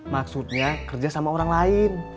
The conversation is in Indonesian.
maksudnya kerja sama orang lain